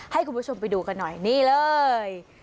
ให้คุณผู้ชมไปดูกันหน่อยนี่เลย